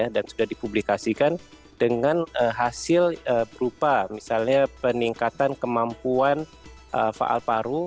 dan sudah dipublikasikan dengan hasil berupa misalnya peningkatan kemampuan faal paru